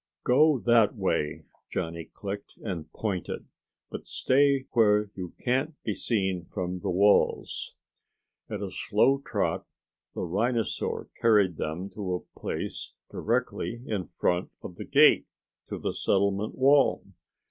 "Go that way," Johnny clicked, and pointed. "But stay where you can't be seen from the walls." At a slow trot, the rhinosaur carried them to a place directly in front of the gate to the settlement wall.